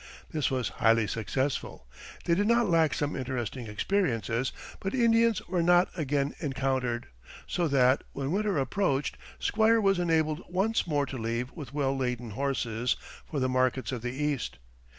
This was highly successful. They did not lack some interesting experiences, but Indians were not again encountered; so that, when winter approached, Squire was enabled once more to leave with well laden horses for the markets of the East.